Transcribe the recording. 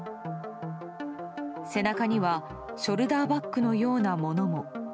背中にはショルダーバッグのようなものも。